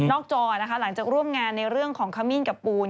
จอนะคะหลังจากร่วมงานในเรื่องของขมิ้นกับปูน